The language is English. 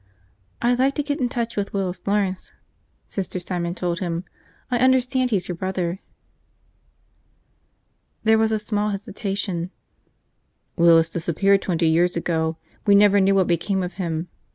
"I'd like to get in touch with Willis Lawrence," Sister Simon told him. "I understand he's your brother." There was a small hesitation. "Willis disappeared twenty years ago. We never knew what became of him.